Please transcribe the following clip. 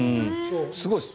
すごいです。